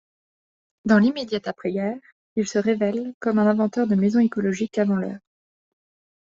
Dans l'immédiat après-guerre, il se révèle comme un inventeur de maisons écologiques avant l'heure.